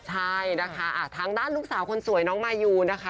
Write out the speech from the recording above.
ใช่นะคะทางด้านลูกสาวคนสวยน้องมายูนะคะ